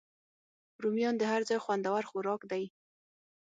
رومیان د هر ځای خوندور خوراک دی